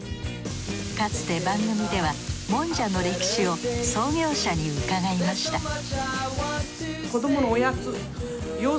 かつて番組ではもんじゃの歴史を創業者に伺いました